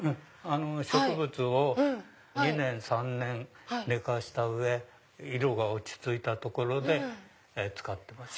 植物を２年３年寝かした上色が落ち着いたところで使ってます。